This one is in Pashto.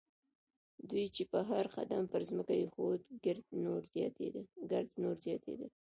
دوی چې به هر قدم پر ځمکه اېښود ګرد نور زیاتېده.